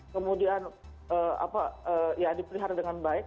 kemudian ya dipelihara dengan baik